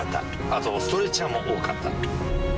あとストレッチャーも多かった。